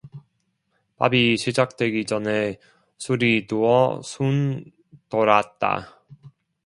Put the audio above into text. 밥이 시작되기 전에 술이 두어 순 돌았다.